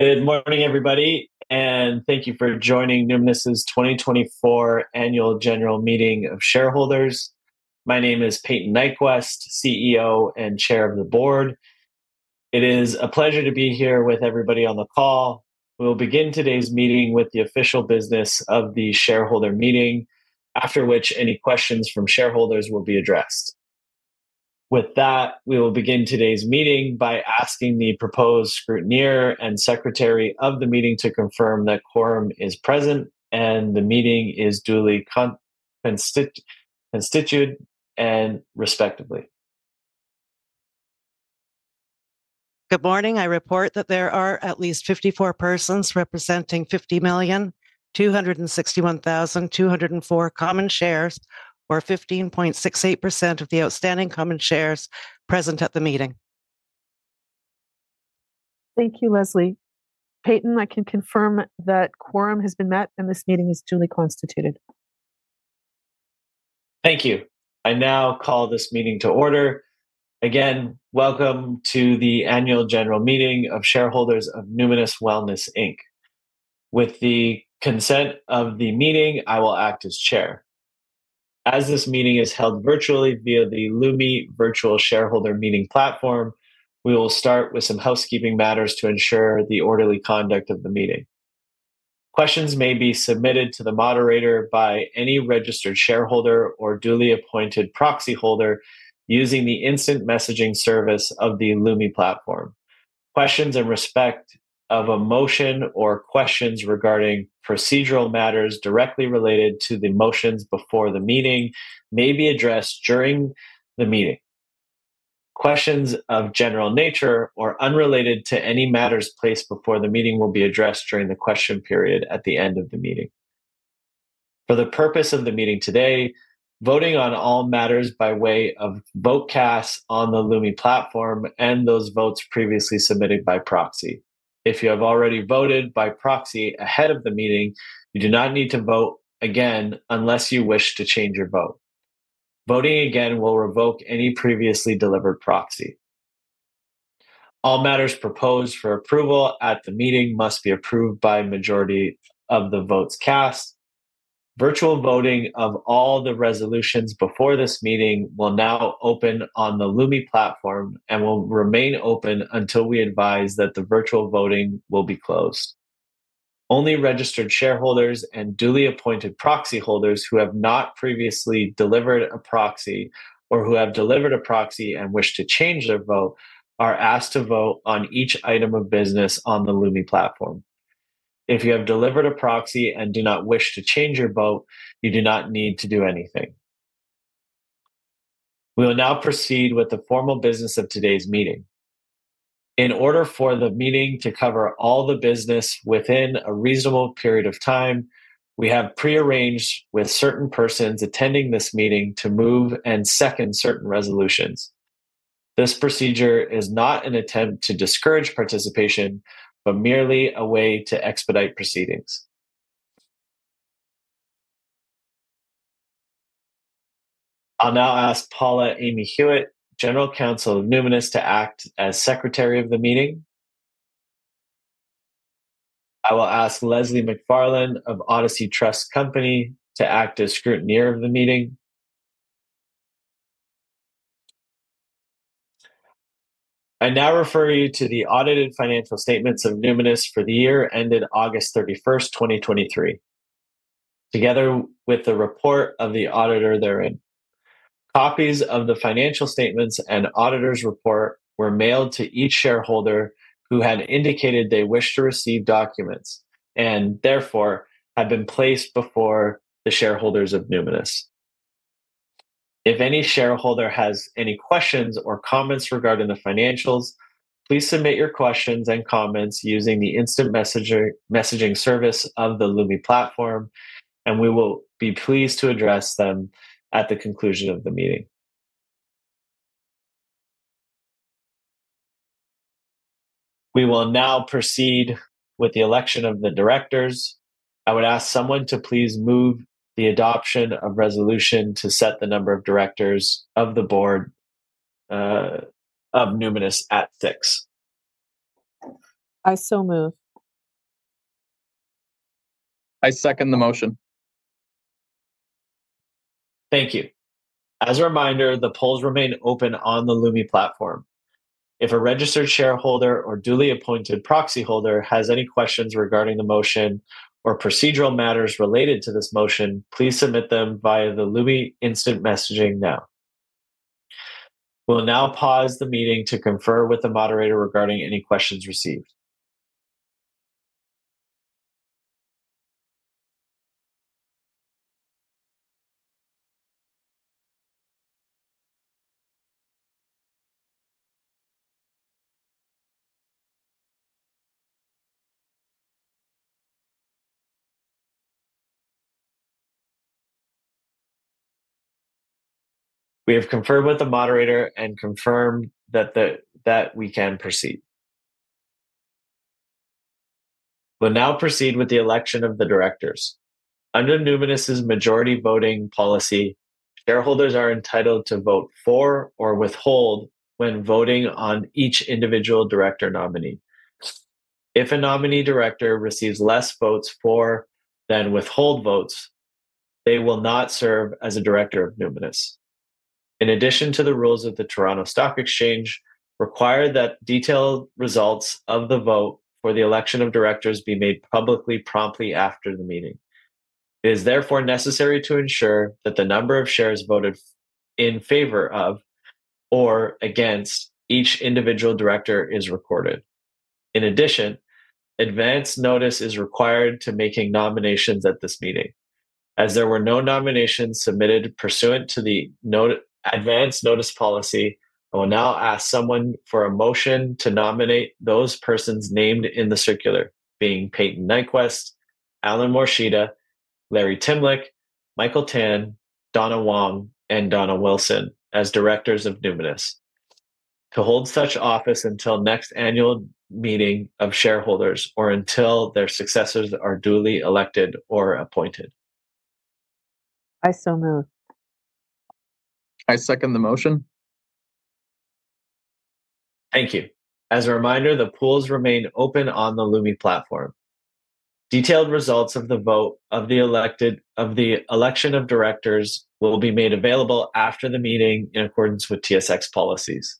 Good morning, everybody, and thank you for joining Numinus's 2024 Annual General Meeting of Shareholders. My name is Payton Nyquvest, CEO and Chair of the Board. It is a pleasure to be here with everybody on the call. We will begin today's meeting with the official business of the shareholder meeting, after which any questions from shareholders will be addressed. With that, we will begin today's meeting by asking the proposed scrutineer and secretary of the meeting to confirm that quorum is present and the meeting is duly constituted, and respectively. Good morning. I report that there are at least 54 persons representing 50,261,204 common shares, or 15.68% of the outstanding common shares present at the meeting. Thank you, Leslie. Payton, I can confirm that quorum has been met, and this meeting is duly constituted. Thank you. I now call this meeting to order. Again, welcome to the Annual General Meeting of Shareholders of Numinus Wellness, Inc. With the consent of the meeting, I will act as chair. As this meeting is held virtually via the Lumi Virtual Shareholder Meeting platform, we will start with some housekeeping matters to ensure the orderly conduct of the meeting. Questions may be submitted to the moderator by any registered shareholder or duly appointed proxy holder using the instant messaging service of the Lumi platform. Questions in respect of a motion or questions regarding procedural matters directly related to the motions before the meeting may be addressed during the meeting. Questions of general nature or unrelated to any matters placed before the meeting will be addressed during the question period at the end of the meeting. For the purpose of the meeting today, voting on all matters by way of vote cast on the Lumi platform and those votes previously submitted by proxy. If you have already voted by proxy ahead of the meeting, you do not need to vote again unless you wish to change your vote. Voting again will revoke any previously delivered proxy. All matters proposed for approval at the meeting must be approved by a majority of the votes cast. Virtual voting of all the resolutions before this meeting will now open on the Lumi platform and will remain open until we advise that the virtual voting will be closed. Only registered shareholders and duly appointed proxy holders who have not previously delivered a proxy or who have delivered a proxy and wish to change their vote, are asked to vote on each item of business on the Lumi Platform. If you have delivered a proxy and do not wish to change your vote, you do not need to do anything. We will now proceed with the formal business of today's meeting. In order for the meeting to cover all the business within a reasonable period of time, we have pre-arranged with certain persons attending this meeting to move and second certain resolutions. This procedure is not an attempt to discourage participation, but merely a way to expedite proceedings. I'll now ask Paula Amy Hewitt, General Counsel of Numinus, to act as Secretary of the meeting. I will ask Leslie MacFarlane of Odyssey Trust Company to act as scrutineer of the meeting. I now refer you to the audited financial statements of Numinus for the year ended August 31, 2023, together with the report of the auditor therein. Copies of the financial statements and auditor's report were mailed to each shareholder who had indicated they wished to receive documents, and therefore, have been placed before the shareholders of Numinus. If any shareholder has any questions or comments regarding the financials, please submit your questions and comments using the instant messaging service of the Lumi platform, and we will be pleased to address them at the conclusion of the meeting. We will now proceed with the election of the directors. I would ask someone to please move the adoption of resolution to set the number of directors of the board of Numinus at six. I so move. I second the motion. Thank you. As a reminder, the polls remain open on the Lumi Platform. If a registered shareholder or duly appointed proxy holder has any questions regarding the motion or procedural matters related to this motion, please submit them via the Lumi instant messaging now. We'll now pause the meeting to confer with the moderator regarding any questions received. We have conferred with the moderator and confirmed that we can proceed. We'll now proceed with the election of the directors. Under Numinus' majority voting policy, shareholders are entitled to vote for or withhold when voting on each individual director nominee. If a nominee director receives less votes for than withhold votes, they will not serve as a director of Numinus. In addition to the rules of the Toronto Stock Exchange, require that detailed results of the vote for the election of directors be made publicly promptly after the meeting. It is therefore necessary to ensure that the number of shares voted in favor of or against each individual director is recorded. In addition, advance notice is required to making nominations at this meeting. As there were no nominations submitted pursuant to the advance notice policy, I will now ask someone for a motion to nominate those persons named in the circular, being Payton Nyquvest, Allan Morishita, Larry Timlick, Michael Tan, Donna Wong, and Donna Wilson as directors of Numinus, to hold such office until next annual meeting of shareholders or until their successors are duly elected or appointed. I so move. I second the motion. Thank you. As a reminder, the polls remain open on the Lumi platform. Detailed results of the vote of the election of directors will be made available after the meeting in accordance with TSX policies.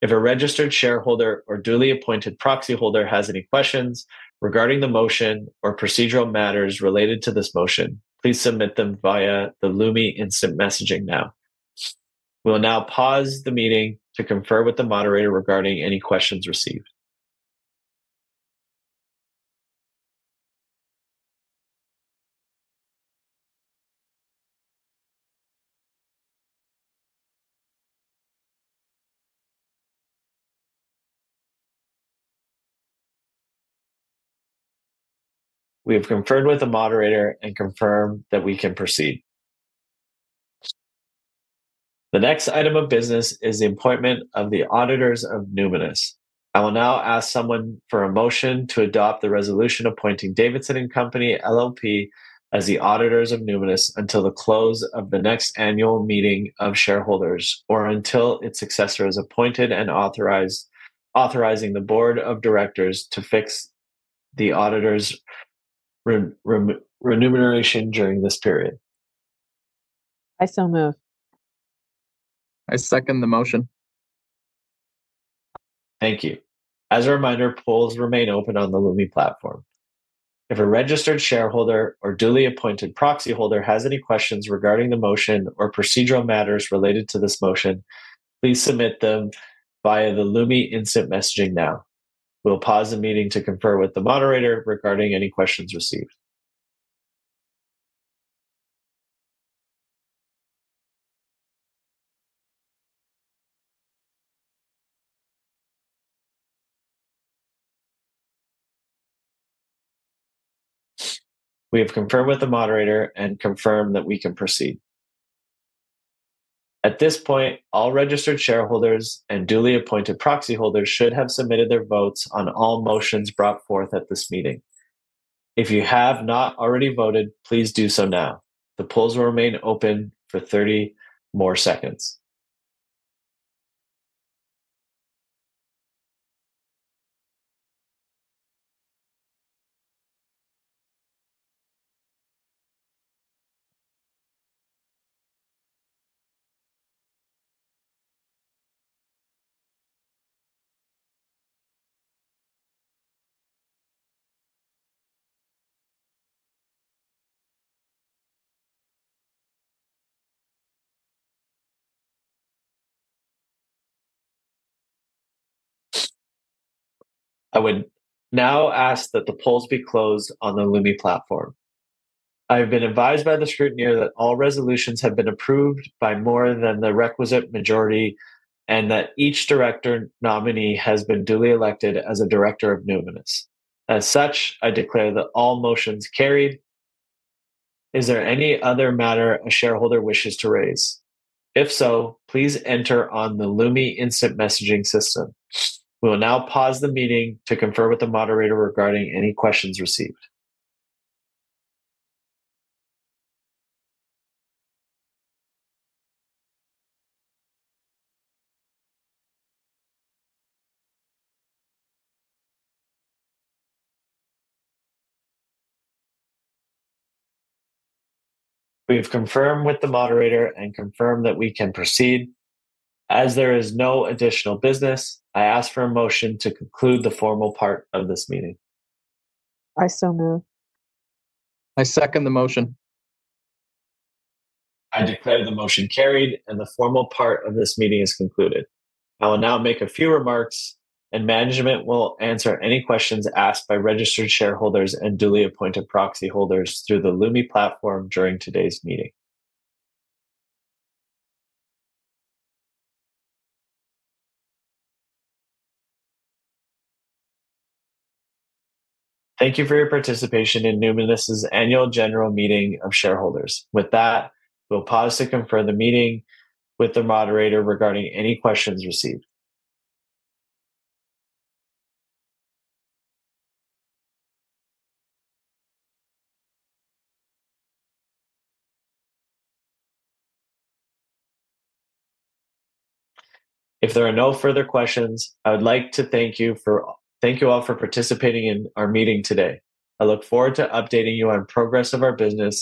If a registered shareholder or duly appointed proxy holder has any questions regarding the motion or procedural matters related to this motion, please submit them via the Lumi instant messaging now. We'll now pause the meeting to confer with the moderator regarding any questions received. We have conferred with the moderator and confirm that we can proceed. The next item of business is the appointment of the auditors of Numinus. I will now ask someone for a motion to adopt the resolution appointing Davidson & Company LLP as the auditors of Numinus until the close of the next annual meeting of shareholders or until its successor is appointed and authorizing the board of directors to fix the auditor's remuneration during this period. I so move. I second the motion. Thank you. As a reminder, polls remain open on the Lumi platform. If a registered shareholder or duly appointed proxy holder has any questions regarding the motion or procedural matters related to this motion, please submit them via the Lumi instant messaging now. We'll pause the meeting to confer with the moderator regarding any questions received. We have conferred with the moderator and confirmed that we can proceed. At this point, all registered shareholders and duly appointed proxy holders should have submitted their votes on all motions brought forth at this meeting. If you have not already voted, please do so now. The polls will remain open for 30 more seconds. I would now ask that the polls be closed on the Lumi platform. I have been advised by the scrutineer that all resolutions have been approved by more than the requisite majority, and that each director nominee has been duly elected as a director of Numinus. As such, I declare that all motions carried. Is there any other matter a shareholder wishes to raise? If so, please enter on the Lumi instant messaging system. We will now pause the meeting to confer with the moderator regarding any questions received. We have confirmed with the moderator and confirmed that we can proceed. As there is no additional business, I ask for a motion to conclude the formal part of this meeting. I so move. I second the motion. I declare the motion carried and the formal part of this meeting is concluded. I will now make a few remarks, and management will answer any questions asked by registered shareholders and duly appointed proxy holders through the Lumi platform during today's meeting. Thank you for your participation in Numinus' Annual General Meeting of Shareholders. With that, we'll pause to confer the meeting with the moderator regarding any questions received. If there are no further questions, I would like to thank you for... Thank you all for participating in our meeting today. I look forward to updating you on progress of our business-